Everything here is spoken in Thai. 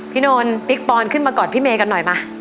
นนท์ปิ๊กปอนขึ้นมากอดพี่เมย์กันหน่อยมา